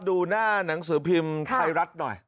ดูหน้าหนังสือพิมพ์ไทยรัฐหน่อย